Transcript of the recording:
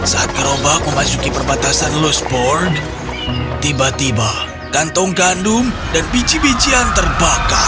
saat gerobak memasuki perbatasan losboard tiba tiba kantong gandum dan biji bijian terbakar